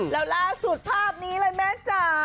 แล้วล่าสุดภาพนี้เลยแม่จ๋า